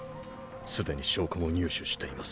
すでに証拠も入手しています。